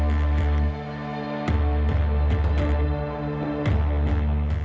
ป็ุร์ธทิ์เป็นจะควบโฆษณ์ที่สูยใจคุณพระบอส